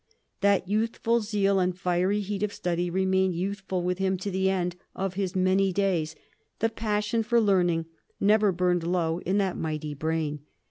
That youthful zeal and fiery heat of study remained youthful with him to the end of his many days; the passion for learning never burned low in that mighty brain.